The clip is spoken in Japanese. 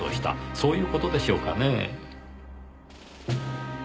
そういう事でしょうかねぇ？